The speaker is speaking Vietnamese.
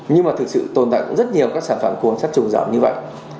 nhưng mà thực sự tồn tại cũng rất nhiều các sản phẩm cồn sắt chủng rẩm như vậy